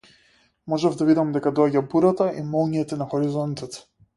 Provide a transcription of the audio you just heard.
Можев да видам дека доаѓа бурата и молњите на хоризонтот.